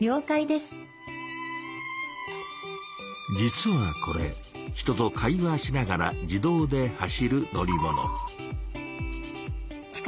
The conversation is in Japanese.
実はこれ人と会話しながら自動で走る乗り物。